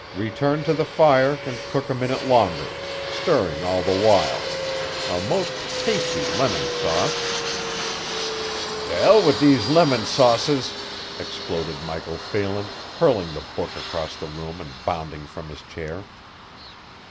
Return to the fire and cook a minute longer, stirring all the while a most tasty lemon sauce" "T' 'ell wit' these limon sauces!" exploded Michael Phelan, hurling the book across the room and bounding from his chair.